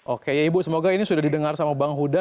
oke ya ibu semoga ini sudah didengar sama bang huda